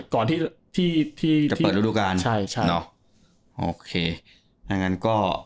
ก่อนที่ที่ที่จะเปิดฤดูการใช่ใช่เนอะโอเคถ้างั้นก็